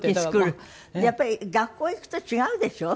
やっぱり学校へ行くと違うでしょ？